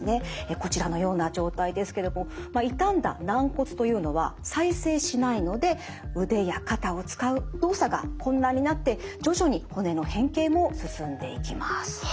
こちらのような状態ですけども傷んだ軟骨というのは再生しないので腕や肩を使う動作が困難になって徐々に骨の変形も進んでいきます。